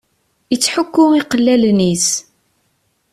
Ittḥukku iqellalen-is.